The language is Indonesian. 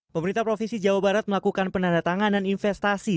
pemerintah provinsi jawa barat melakukan penandatangan dan investasi